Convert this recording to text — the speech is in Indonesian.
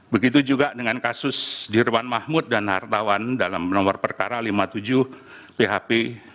begitu juga dengan kasus dirwan mahmud dan hartawan dalam nomor perkara lima puluh tujuh php